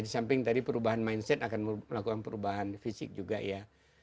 di samping tadi perubahan mindset akan melakukan perubahan fisik juga ya